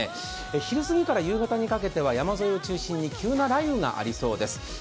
昼過ぎから夕方にかけては山沿いを中心に急な雷雨があるかもしれません。